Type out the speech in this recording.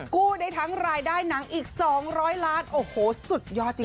กู้ได้ทั้งรายได้หนังอีก๒๐๐ล้านโอ้โหสุดยอดจริง